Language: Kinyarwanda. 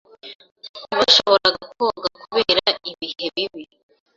Ntibashoboraga koga kubera ibihe bibi.